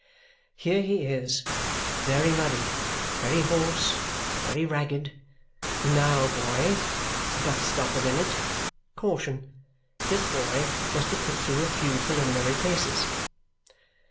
Here he is, very muddy, very hoarse, very ragged. Now, boy! But stop a minute. Caution. This boy must be put through a few preliminary paces.